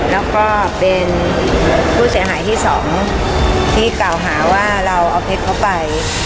แล้วก็เป็นผู้เสียหายที่สองที่กล่าวหาว่าเราเอาเพชรเข้าไป